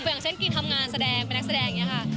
อย่างเช่นกินทำงานแสดงเป็นนักแสดงอย่างนี้ค่ะ